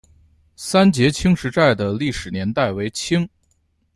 三捷青石寨的历史年代为清。